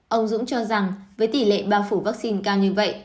ông dũng cho rằng với tỷ lệ bao phủ vaccine cao như vậy